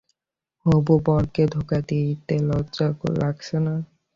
হবু বরকে ধোকা দিয়ে লজ্জা লাগছে না?